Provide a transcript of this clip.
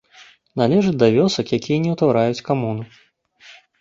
Належыць да вёсак, якія не ўтвараюць камуну.